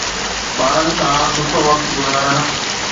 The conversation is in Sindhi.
ٻارن سان سٺو وقت گذارڻ